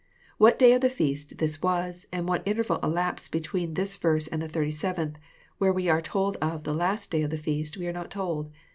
What day of the feast this was, and what interval elapsed between this verse and the 37th, where we are told of *' the last day " of the feast, we are not told.